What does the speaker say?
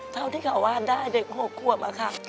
เท่าที่เขาวาดได้เด็ก๖ขวบอะค่ะ